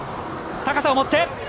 高さを持って。